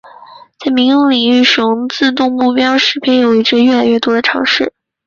在民用领域使用自动目标识别也有着越来越多的尝试。